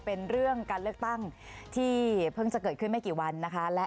เป็นเรื่องการเลือกตั้งที่เพิ่งจะเกิดขึ้นไม่กี่วันนะคะ